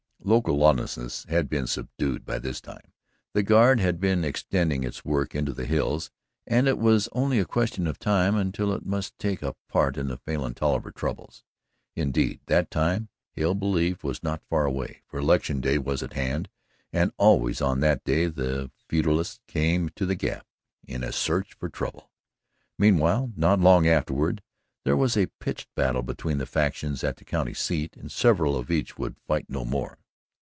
Local lawlessness had been subdued by this time, the Guard had been extending its work into the hills, and it was only a question of time until it must take a part in the Falin Tolliver troubles. Indeed, that time, Hale believed, was not far away, for Election Day was at hand, and always on that day the feudists came to the Gap in a search for trouble. Meanwhile, not long afterward, there was a pitched battle between the factions at the county seat, and several of each would fight no more.